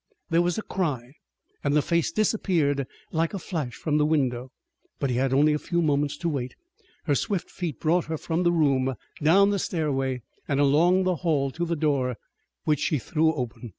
There was a cry and the face disappeared like a flash from the window. But he had only a few moments to wait. Her swift feet brought her from the room, down the stairway, and along the hall to the door, which she threw open.